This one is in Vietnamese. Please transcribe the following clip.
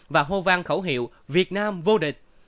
và hô vang khẩu hiệu việt nam vô địch